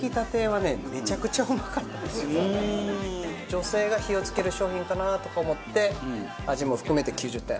女性が火をつける商品かなとか思って味も含めて９０点。